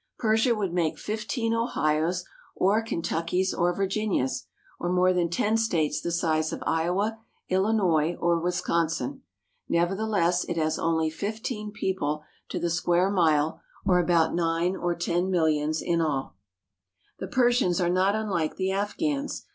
Persia would make fifteen Ohios or Ken tuckys or Virginias, or more than ten states the size of Iowa, Illinois, or Wisconsin. Nevertheless, it has only fif teen people to the square mile, or about nine or ten millions in all. 324 PERSIA The Persians are not unlike the Afghans.